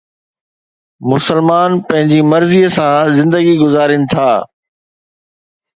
مسلمان پنهنجي مرضيءَ سان زندگي گذارين ٿا